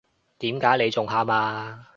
點解你仲喊呀？